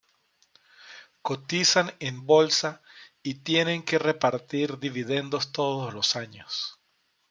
Cotizan en bolsa y tienen que repartir dividendos todos los años.